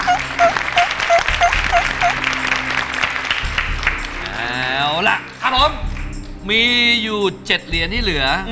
ครับผมมีอยู่๗เหรียญที่เหลือ